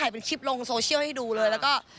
เป็นคลิปลงโซเชียลให้ดูเลยแล้วก็